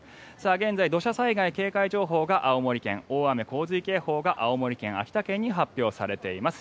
現在、土砂災害警戒情報が青森県大雨洪水警報が青森県、秋田県に発表されています。